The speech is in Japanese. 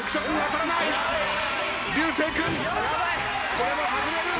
これも外れる。